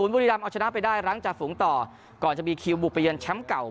บุรีรำเอาชนะไปได้หลังจากฝูงต่อก่อนจะมีคิวบุกไปเยือนแชมป์เก่า